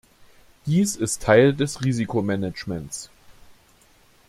Dies ist Teil des Risikomanagements.